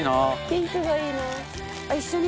ピンクがいいな。